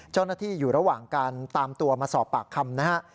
เจ้าหน้าที่อยู่ระหว่างการตามตัวมาสอบปากคำนะฮะ